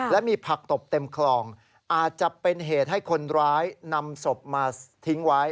และมีผักตบเต็มคลองอาจจะเป็นเหตุให้คนร้ายนำศพมาทิ้งไว้